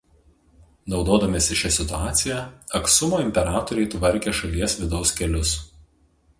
Naudodamiesi šia situacija Aksumo imperatoriai tvarkė šalies vidaus kelius.